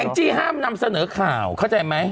แองจีฮ่านำเสนอข่าวเข้าใจไหม